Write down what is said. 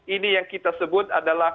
ini yang kita sebut adalah